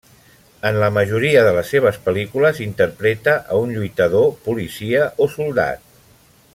En la majoria de les seves pel·lícules interpreta a un lluitador, policia, o soldat.